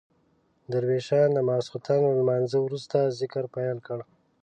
درویشان د ماخستن له لمانځه وروسته ذکر پیل کړ.